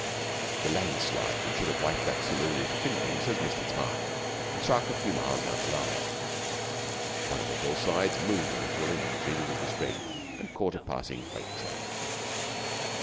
The landslide that should have wiped that saloon into kindlings has missed its mark and has struck a few miles down the line. One of the hillsides moved a little in dreaming of the spring and caught a passing freight train.